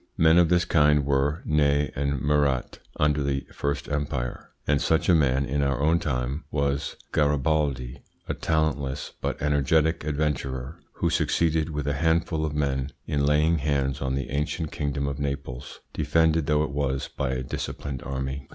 Men of this kind were Ney and Murat under the First Empire, and such a man in our own time was Garibaldi, a talentless but energetic adventurer who succeeded with a handful of men in laying hands on the ancient kingdom of Naples, defended though it was by a disciplined army.